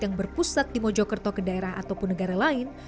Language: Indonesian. yang berpusat di mojokerto ke daerah ataupun negara lain